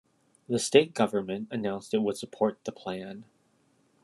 The state government announced it would support the plan.